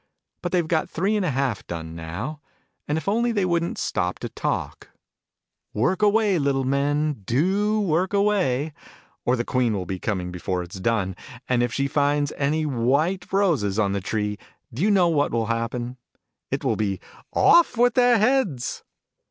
But they've got three and a halt done, now, and if only they wouldn't stop to talk work away, little men, do work away ! Or the Queen will be coming before it's done ! And if she finds any white roses on the tree, do you know what will happen? It will be "Of! with their heads